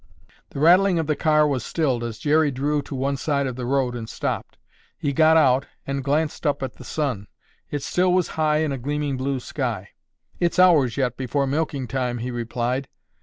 The rattling of the car was stilled as Jerry drew to one side of the road and stopped. He got out and glanced up at the sun. It still was high in a gleaming blue sky. "It's hours yet before milking time," he replied.